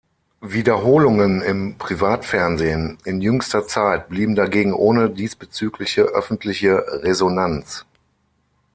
Wiederholungen im Privatfernsehen in jüngster Zeit blieben dagegen ohne diesbezügliche öffentliche Resonanz.